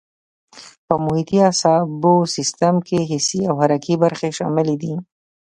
په محیطي اعصابو سیستم کې حسي او حرکي برخې شاملې دي.